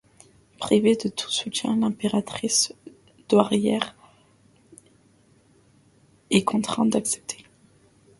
Privée de tout soutien, l’impératrice douairière He est contrainte d’accepter.